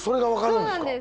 そうなんです。